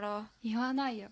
言わないよ。